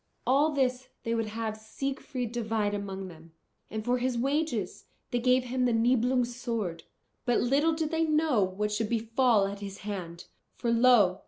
All this they would have Siegfried divide among them. And for his wages they gave him the Nibelungs' sword. But little did they know what should befall at his hand. For lo!